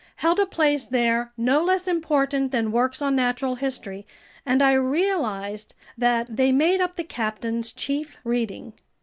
held a place there no less important than works on natural history, and I realized that they made up the captain's chief reading.